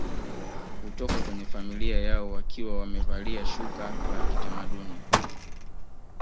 Hutoka kwenye familia yao wakiwa wamevalia shuka la kitamaduni